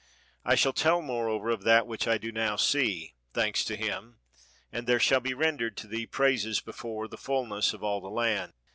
I shall tell, moreover, of that which I do now see (thanks to him) , and there shall be rendered to thee praises be fore the fullness of all the land.